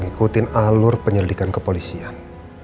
ikutin alur penyelidikan kepolisian